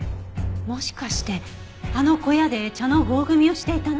もしかしてあの小屋で茶の合組をしていたのは。